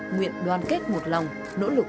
nguyện đoàn kết một lòng nỗ lực